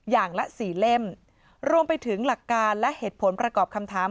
อย่างละสี่เล่มรวมไปถึงหลักการและเหตุผลประกอบคำถาม